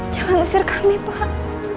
jangan usir kami pak